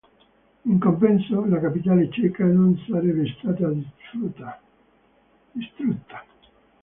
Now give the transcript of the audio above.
In compenso la capitale ceca non sarebbe stata distrutta.